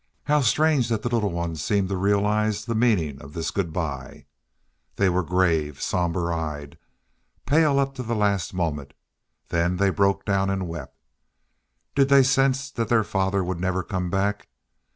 How strange that the little ones seemed to realize the meaning of this good by? They were grave, somber eyed, pale up to the last moment, then they broke down and wept. Did they sense that their father would never come back?